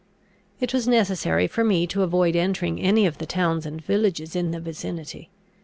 It was necessary for me to avoid entering any of the towns and villages in the vicinity.